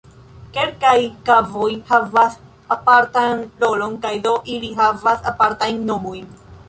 Kelkaj kavoj havas apartan rolon kaj do ili havas apartajn nomojn.